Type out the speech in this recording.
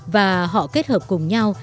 và họ kết hợp cùng nhau